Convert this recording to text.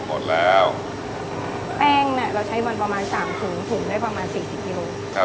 หมดแล้วแป้งเนี่ยเราใช้วันประมาณสามถุงถุงได้ประมาณสี่สิบกิโลครับ